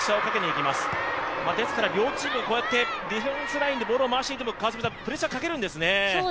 両チーム、ディフェンスラインでボールを回してプレッシャーかけるんですね。